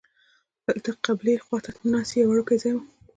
دلته قبلې خوا ته د ناستې یو وړوکی ځای و.